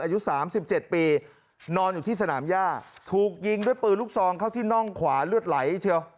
อายุ๓๗ปีนอนอยู่ที่สนามย่าถูกยิงด้วยปืนลูกซองเข้าที่น่องขวาเลือดไหลเชียว